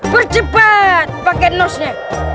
bercepat pakai nose nya